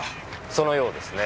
そのようですね。